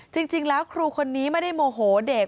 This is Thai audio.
จริงแล้วครูคนนี้ไม่ได้โมโหเด็ก